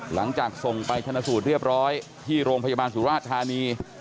หลังจากส่งไปชนะสูตรเรียบร้อยที่โรงพยาบาลสุราชธานี